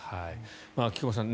菊間さん